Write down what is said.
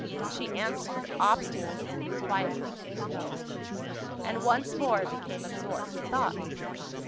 She answered obstinately and quietly, "No" and once more became absorbed in thought.